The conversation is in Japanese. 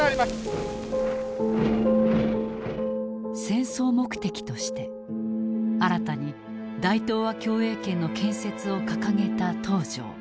戦争目的として新たに大東亜共栄圏の建設を掲げた東條。